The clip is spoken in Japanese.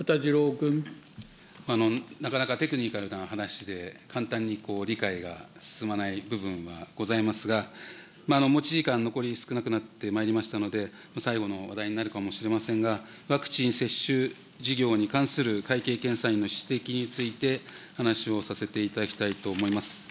なかなかテクニカルな話で、簡単に理解が進まない部分はございますが、持ち時間、残り少なくなってまいりましたので、最後の話題になるかもしれませんが、ワクチン接種事業に関する会計検査院の指摘について、話をさせていただきたいと思います。